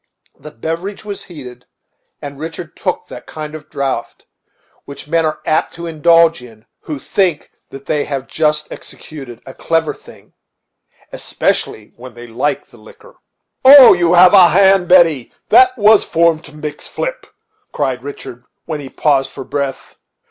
The beverage was heated, and Richard took that kind of draught which men are apt to indulge in who think that they have just executed a clever thing, especially when they like the liquor. "Oh! you have a hand. Betty, that was formed to mix flip," cried Richard, when he paused for breath.